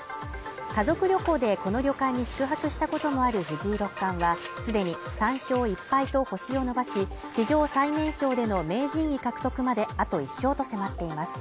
家族旅行でこの旅館に宿泊したこともある藤井六冠は既に３勝１敗と星を伸ばし、史上最年少での名人位獲得まであと１勝と迫っています。